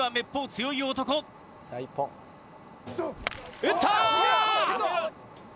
打った！